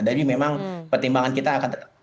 memang pertimbangan kita akan tetap